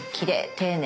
丁寧！